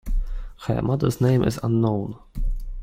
Her mother's name is unknown.